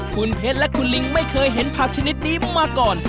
คุณเพชรและคุณลิงไม่เคยเห็นผักชนิดนี้มาก่อน